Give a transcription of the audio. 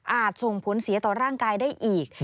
ส่งผลเสียต่อร่างกายได้อีก